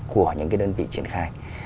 của những cái đơn vị triển khai